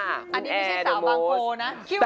อันนี้ไม่ใช่สาวบางโกนะ